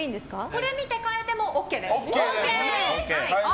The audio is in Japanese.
これ見て、変えてもＯＫです。